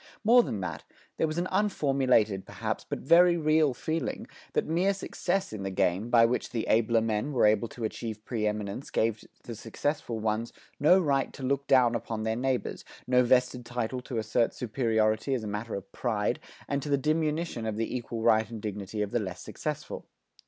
More than that, there was an unformulated, perhaps, but very real feeling, that mere success in the game, by which the abler men were able to achieve preëminence gave to the successful ones no right to look down upon their neighbors, no vested title to assert superiority as a matter of pride and to the diminution of the equal right and dignity of the less successful.